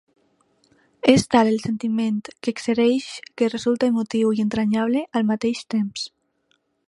És tal el sentiment que exerceix que resulta emotiu i entranyable al mateix temps.